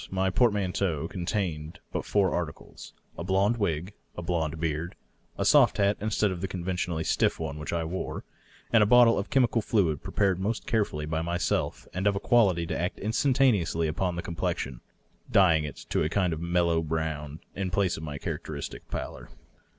My portmanteau contained but four articles — a blond wig, a blond beard, a soft hat instead of the conventionally stiff one which I wore, and a bottle of chemical fluid prepared most careftilly by myself and of a quality to act instantaneously upon the complexion, dyeing it to a kind of mellow brown in place of my char acteristic pallor.